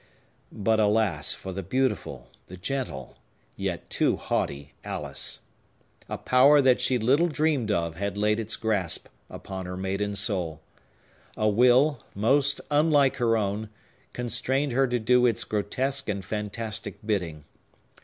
But, alas for the beautiful, the gentle, yet too haughty Alice! A power that she little dreamed of had laid its grasp upon her maiden soul. A will, most unlike her own, constrained her to do its grotesque and fantastic bidding.